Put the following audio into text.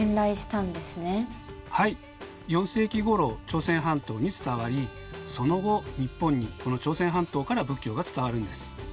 朝鮮半島に伝わりその後日本にこの朝鮮半島から仏教が伝わるんです。